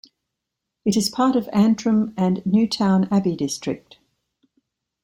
It is part of Antrim and Newtownabbey district.